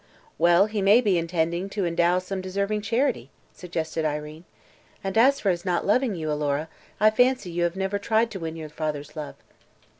"Well, he may be intending to endow some deserving charity," suggested Irene. "And, as for his not loving you, Alora, I fancy you have never tried to win your father's love."